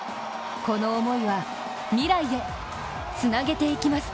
この思いは未来へつなげていきます。